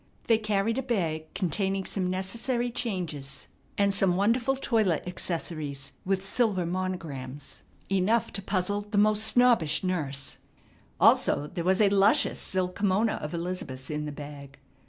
They carried a bag containing some necessary changes, and some wonderful toilet accessories with silver monograms, enough to puzzle the most snobbish nurse, also there was a luscious silk kimona of Elizabeth's in the bag.